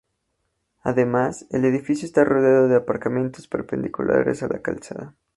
Además, el edificio está rodeado de aparcamientos perpendiculares a la calzada.